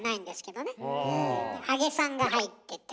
揚げさんが入ってて。